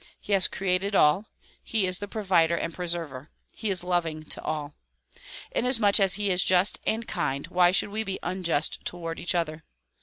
He has created all ; he is the provider and preserver; he is loving to all. Inasmuch as he is just and kind why should we be unjust toward each other